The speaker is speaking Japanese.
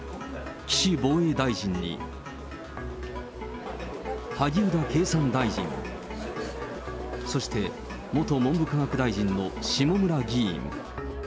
岸防衛大臣に、萩生田経産大臣、そして、元文部科学大臣の下村議員。